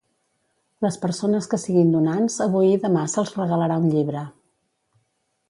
Les persones que siguin donants avui i demà se'ls regalarà un llibre.